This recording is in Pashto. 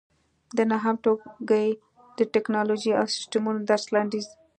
د نهم ټولګي د ټېکنالوجۍ او سیسټمونو درس لنډیز